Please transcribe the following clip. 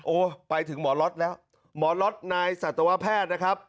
ไปถึงหมอล็อตแล้วหมอล็อตนายสัตวแพทย์นะครับ